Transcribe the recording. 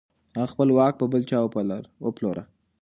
هغه خپل واک په بل چا وپلوره.